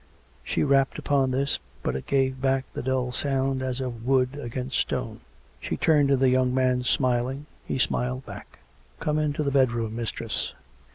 She rapped upon this, but it gave back the dull sound as of wood against stone. She turned to the young man, smiling. He smiled back. " Come into the bedroom, mistress."